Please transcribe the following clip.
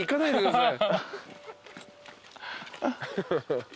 はい。